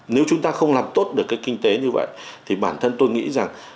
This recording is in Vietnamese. nếu chúng ta không làm tốt được cái kinh tế như vậy thì bản thân tôi nghĩ rằng